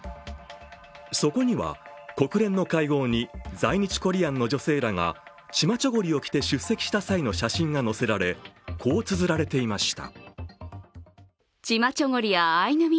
そこには国連の会合に在日コリアンの女性らがチマチョゴリを着て出席した際の写真が載せられ、こうつづられていました。